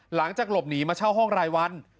หลังจากหลบหนีมาเช่าห้องรายวัน